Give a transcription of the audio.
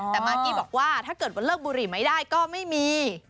แต่มากกี้บอกว่าถ้าเกิดว่าเลิกบุหรี่ไม่ได้ก็ไม่มี